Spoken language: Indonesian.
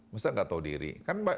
mesti saya nggak tahu diri